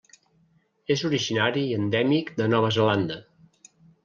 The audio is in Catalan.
És originari i endèmic de Nova Zelanda.